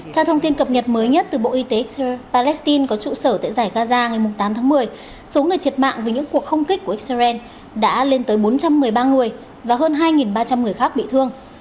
theo thông tin cập nhật mới nhất từ bộ y tế palestine có trụ sở tại giải gaza ngày tám tháng một mươi số người thiệt mạng vì những cuộc không kích của israel đã lên tới bốn trăm một mươi ba người và hơn hai ba trăm linh người khác bị thương